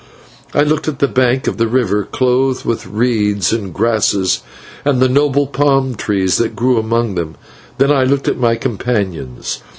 I looked at the bank of the river clothed with reeds and grasses, and the noble palm trees that grew among them. Then I looked at my companions.